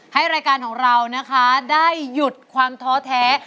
รายการของเรานะคะได้หยุดความท้อแท้